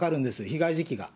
被害時期が。